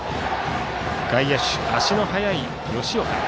外野手、足の速い吉岡。